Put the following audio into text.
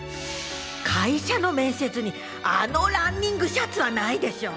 会社の面接にあのランニングシャツはないでしょう。